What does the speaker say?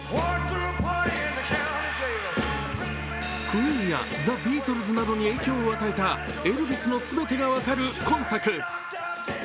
クイーンやザ・ビートルズなどに影響を与えたエルヴィスの全てが分かる今作。